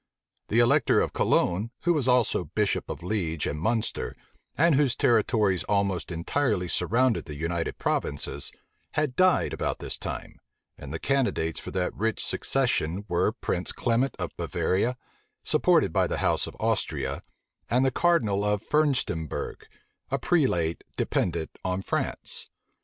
The elector of Cologne, who was also bishop of Liege and Munster, and whose territories almost entirely surrounded the United Provinces, had died about this time; and the candidates for that rich succession were Prince Clement of Bavaria, supported by the house of Austria, and the cardinal of Furstemberg, a prelate dependent on France.